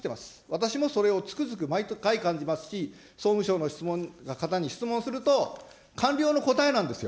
私もそれをつくづく、毎回感じますし、総務相の方に質問すると、官僚の答えなんですよ。